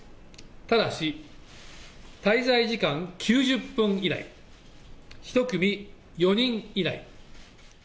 ただし、滞在時間９０分以内、１組４人以内。